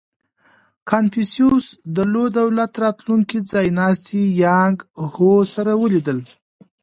• کنفوسیوس د لو دولت راتلونکی ځایناستی یانګ هو سره ولیدل.